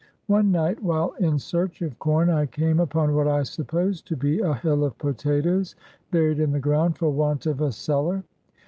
One night, while in search of corn, I came upon what I supposed to be a hill of potatoes, buried in the ground for want of a cellar.